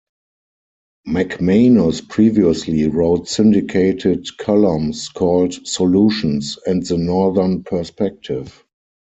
McManus previously wrote syndicated columns called "Solutions" and the "Northern Perspective.